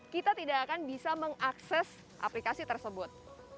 kita tidak akan bisa mengakses aplikasi tersebut